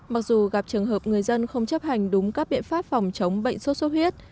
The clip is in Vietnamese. mặc dù gặp trường hợp người dân không chấp hành đúng các biện pháp phòng chống bệnh sốt sốt huyết